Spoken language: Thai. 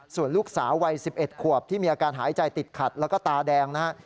ส่วนลูกสาววัย๑๑ขวบที่มีอาการหายใจติดขัดแล้วก็ตาแดงนะครับ